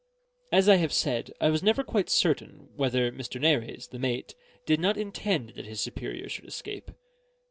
As I have said, I was never quite certain whether Mr. Nares (the mate) did not intend that his superior should escape.